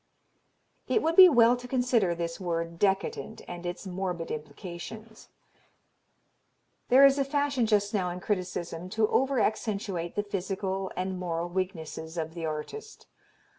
It would be well to consider this word "decadent" and its morbid implications. There is a fashion just now in criticism to over accentuate the physical and moral weaknesses of the artist.